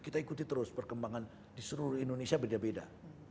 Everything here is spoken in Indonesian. kita ikuti terus perkembangan di seluruh indonesia beda beda